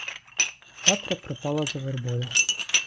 Катря припала за вербою.